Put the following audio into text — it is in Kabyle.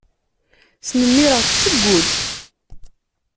Snemmireɣ-k seg wul.